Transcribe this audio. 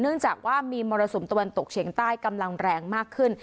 เนื่องจากว่ามีมรสุมตะวันตกเฉียงใต้กำลังแรงมากขึ้น